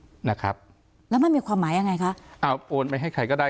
นะครับแล้วมันมีความหมายยังไงคะเอาโอนไปให้ใครก็ได้